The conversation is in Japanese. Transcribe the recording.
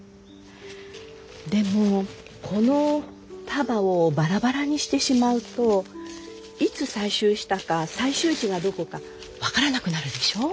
でもこの束をバラバラにしてしまうといつ採集したか採集地がどこか分からなくなるでしょ。